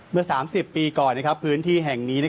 เมื่อ๓๐ปีก่อนพื้นที่แห่งนี้